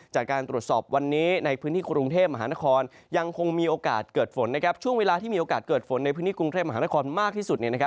จากการตรวจสอบวันนี้ในพื้นที่กรุงเทพมหานครยังคงมีโอกาสเกิดฝนช่วงเวลาที่มีโอกาสเกิดฝนในพื้นที่กรุงเทพมหานครมากที่สุด